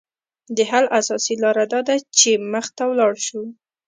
د حل اساسي لاره داده چې مخ ته ولاړ شو